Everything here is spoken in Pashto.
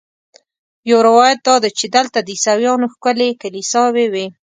یو روایت دا دی چې دلته د عیسویانو ښکلې کلیساوې وې.